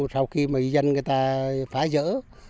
sau khi mà dân người ta phá dỡ